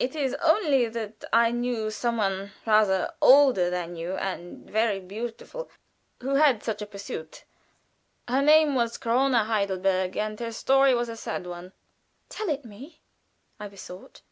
It is only that I knew some one, rather older than you, and very beautiful, who had such a pursuit. Her name was Corona Heidelberger, and her story was a sad one." "Tell it me," I besought.